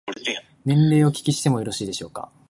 年齢をお聞きしてもよろしいでしょうか。